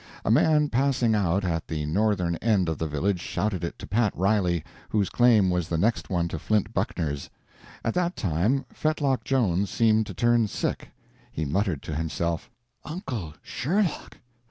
A man passing out at the northern end of the village shouted it to Pat Riley, whose claim was the next one to Flint Buckner's. At that time Fetlock Jones seemed to turn sick. He muttered to himself, "Uncle Sherlock!